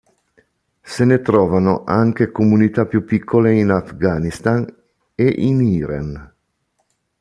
Se ne trovano anche comunità più piccole in Afghanistan e in Iran.